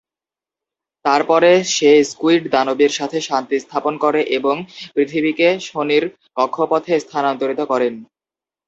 তারপরে সে স্কুইড দানবদের সাথে শান্তি স্থাপন করে এবং পৃথিবীকে শনির কক্ষপথে স্থানান্তরিত করেন।